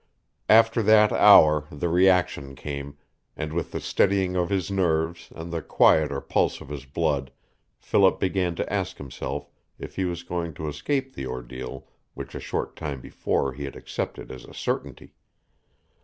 After that hour the reaction came, and with the steadying of his nerves and the quieter pulse of his blood Philip began to ask himself if he was going to escape the ordeal which a short time before he had accepted as a certainty.